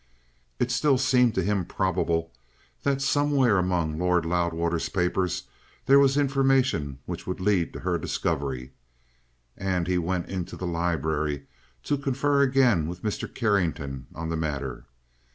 It still seemed to him probable that somewhere among Lord Loudwater's papers there was information which would lead to her discovery, and he went into the library to confer again with Mr. Carrington on the matter.